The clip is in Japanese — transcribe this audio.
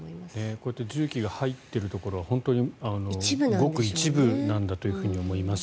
こうやって重機が入っているところは本当にごく一部なんだと思います。